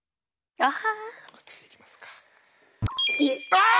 ああ！